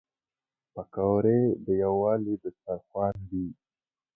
پکورې د یووالي دسترخوان دي